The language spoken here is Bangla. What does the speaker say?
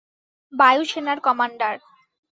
বায়ু সেনার কমান্ডার।